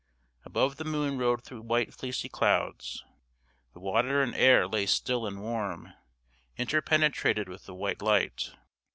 Above the moon rode through white fleecy clouds. The water and air lay still and warm, inter penetrated with the white light.